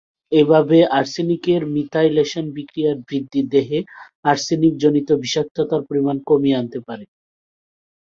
এভাবে আর্সেনিকের মিথাইলেশন বিক্রিয়ার বৃদ্ধি দেহে আর্সেনিকজনিত বিষাক্ততার পরিমাণ কমিয়ে আনতে পারে।